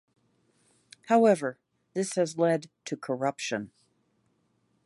However, this has led to corruption.